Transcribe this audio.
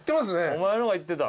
お前の方がいってた。